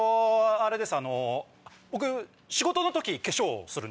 あれです！